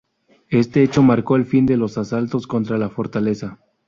Este hecho marcó el fin de los asaltos contra la fortaleza.